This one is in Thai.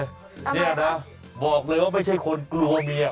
นี่อย่างนั้นบอกเลยว่าไม่ใช่คนกลัวเมีย